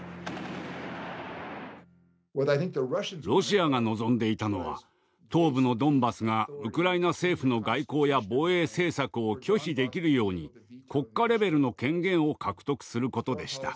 ロシアが望んでいたのは東部のドンバスがウクライナ政府の外交や防衛政策を拒否できるように国家レベルの権限を獲得することでした。